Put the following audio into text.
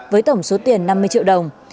với tổng số tiền năm mươi triệu đồng